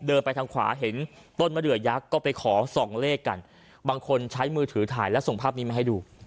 ไปทางขวาเห็นต้นมะเดือยักษ์ก็ไปขอส่องเลขกันบางคนใช้มือถือถ่ายแล้วส่งภาพนี้มาให้ดู